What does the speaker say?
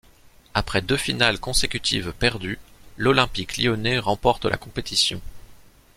Après deux finales consécutives perdues, l'Olympique lyonnais remporte la compétition.